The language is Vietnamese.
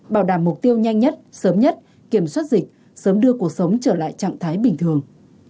bảo đảm mục tiêu nhanh nhất sớm nhất kiểm soát dịch sớm đưa cuộc sống trở lại trạng thái bình thường